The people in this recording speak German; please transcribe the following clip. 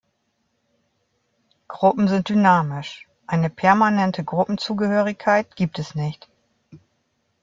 Gruppen sind dynamisch: Eine permanente Gruppenzugehörigkeit gibt es nicht.